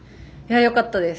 よかったです。